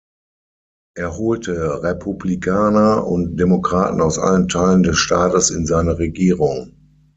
Er holte Republikaner und Demokraten aus allen Teilen des Staates in seine Regierung.